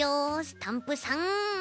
スタンプさん。